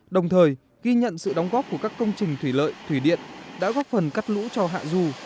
đồng thời ghi nhận sự đóng góp của các công trình thủy lợi thủy điện đã góp phần cắt lũ cho hạ du